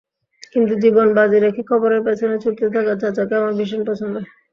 কিন্তু জীবন বাজি রেখে খবরের পেছনে ছুটতে থাকা চাচাকে আমার ভীষণ পছন্দ।